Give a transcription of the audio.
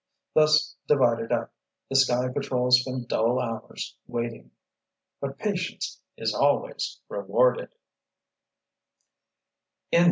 Thus divided up, the Sky Patrol spent dull hours waiting. But patience is always rewarded!